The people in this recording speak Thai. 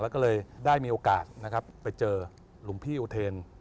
แล้วก็เลยได้มีโอกาสนะครับไปเจอหลวงพี่อุเทน